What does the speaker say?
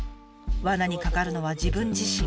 わなに掛かるのは自分自身。